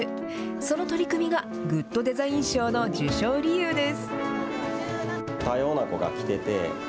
その取り組みがグッドデザイン賞の受賞理由です。